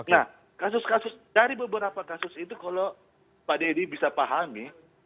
nah dari beberapa kasus itu kalau pak dedi bisa pahami